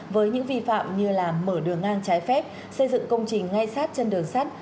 với những vi phạm như là mở đường ngang trái phép xây dựng công trình ngay sát chân đường sắt